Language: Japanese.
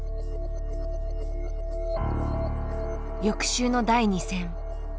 翌週の第２戦。